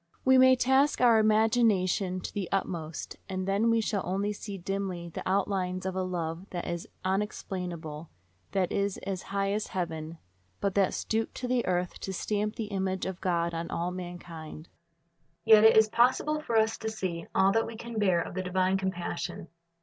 We may task our imagination to the utmost, and then we shall only see dimly the outlines of a love that is unexplainable, that is as high as heaven, but that stooped to the earth to stamp the image of God on all mankind. Yet it is possible for us to see all that we can bear of the divine compassion.